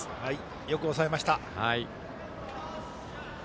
よく抑えました。